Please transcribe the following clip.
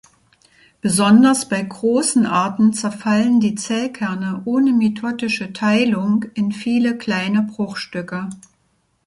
Besonders bei großen Arten zerfallen die Zellkerne ohne mitotische Teilung in viele kleine Bruchstücke.